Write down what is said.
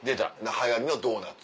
流行りのドーナツ。